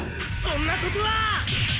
そんなことは！